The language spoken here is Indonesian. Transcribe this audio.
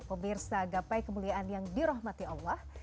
pemirsa gapai kemuliaan yang dirahmati allah